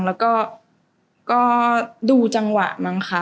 และดูจังหวะนางค่ะ